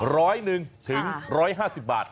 ร้อยหนึ่งถึงร้อยห้าสิบบาท